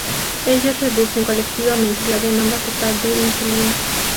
Ellos reducen colectivamente la demanda total de insulina.